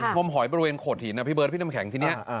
งมหอยบริเวณโขดหินนะพี่เบิร์ดพี่น้ำแข็งทีนี้